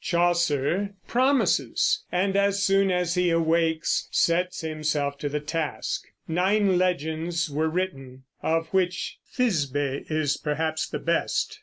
Chaucer promises, and as soon as he awakes sets himself to the task. Nine legends were written, of which "Thisbe" is perhaps the best.